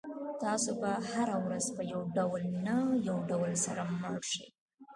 تاسو به هره ورځ په یو نه یو ډول سره مړ شئ.